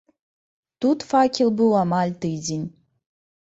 Тут факел быў амаль тыдзень.